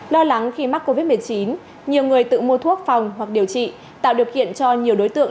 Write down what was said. lo lắng khi mắc covid một mươi chín nhiều người tự mua thuốc phòng hoặc điều trị tạo điều kiện cho nhiều đối tượng